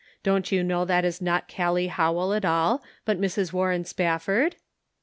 Don't you know that is not Gallic Howell at all, but Mrs. Warren Spafford ?